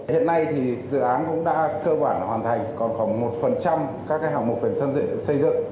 hiện nay thì dự án cũng đã cơ bản hoàn thành còn khoảng một phần trăm các hạng mục sân dự xây dựng